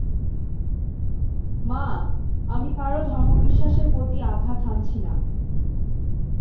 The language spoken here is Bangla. মা, আমি কারো ধর্ম বিশ্বাসের প্রতি আঘাত হানছি না।